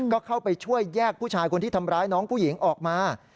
ก็เข้าไปช่วยแยกผู้ชายคนที่ทำร้ายน้องผู้หญิงออกมา